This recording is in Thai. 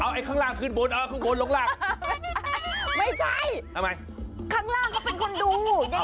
ไม่ใช่ข้างล่างเขาเป็นคนดูยังไงก็เป็นคนดู